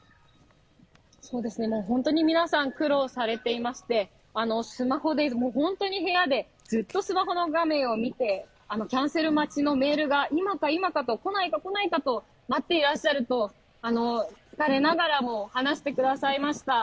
ホントに皆さん苦労されていまして、部屋でずっとスマホの画面を見て、キャンセル待ちのメールが今か今かと来ないか、来ないかと待っていらっしゃると疲れながらも話してくださいました。